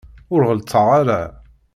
Ur ɣelṭeɣ ara.